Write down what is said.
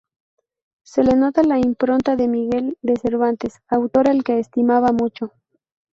Se le nota la impronta de Miguel de Cervantes, autor al que estimaba mucho.